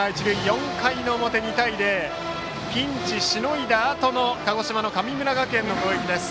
４回の表、２対０とピンチをしのいだあとの鹿児島・神村学園の攻撃です。